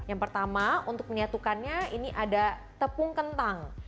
yang pertama untuk menyatukannya ini ada tepung kentang